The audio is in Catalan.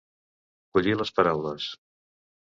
Collir les paraules.